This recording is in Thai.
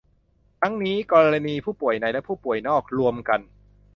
ทั้งนี้ กรณีผู้ป่วยในและผู้ป่วยนอกรวมกัน